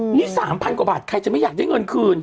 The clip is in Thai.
นี่๓๐๐กว่าบาทใครจะไม่อยากได้เงินคืน